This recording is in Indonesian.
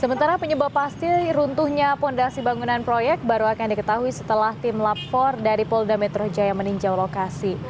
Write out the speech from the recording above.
sementara penyebab pasti runtuhnya fondasi bangunan proyek baru akan diketahui setelah tim lapor dari polres metro jakarta selatan meninjau lokasi